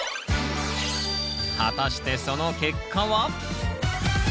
果たしてその結果は？